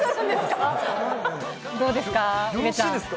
どうですか？